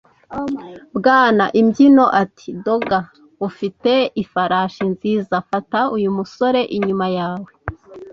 Bwana Imbyino ati: “Dogger, ufite ifarashi nziza; fata uyu musore inyuma yawe. ”